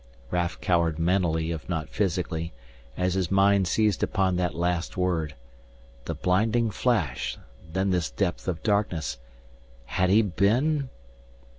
Raf cowered mentally if not physically, as his mind seized upon that last word. The blinding flash, then this depth of darkness. Had he been